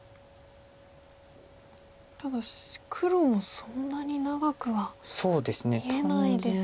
ただし黒もそんなに長くは見えないですが。